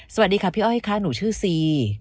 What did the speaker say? สวัสดีค่ะพี่อ้อยค่ะหนูชื่อซี